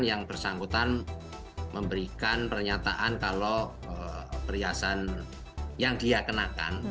yang bersangkutan memberikan pernyataan kalau perhiasan yang dia kenakan